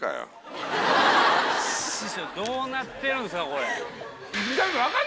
師匠どうなってるんですか？